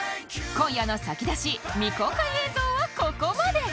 今夜の先出し未公開映像はここまで